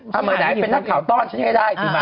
ถ้าเมื่อไหนเป็นนักข่าวต้อนฉันให้ได้ดีไหม